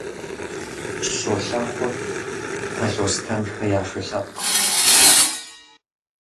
Щолэхъур Талъостэнхэ я шы лъэпкът.